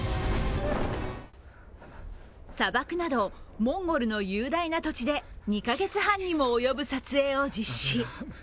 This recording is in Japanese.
砂漠などモンゴルの雄大な土地で２か月半にも及ぶ撮影を実施。